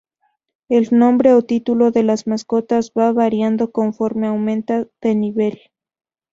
El nombre o título de las mascotas va variando conforme aumenta de nivel.